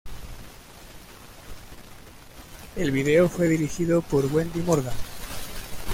El video fue dirigido por Wendy Morgan.